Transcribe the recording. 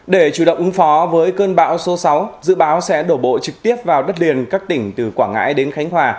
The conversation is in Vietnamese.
để chủ động ứng phó với cơn bão số sáu dự báo sẽ đổ bộ trực tiếp vào đất liền các tỉnh từ quảng ngãi đến khánh hòa